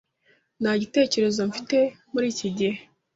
Nta gitekerezo mfite muri iki gihe.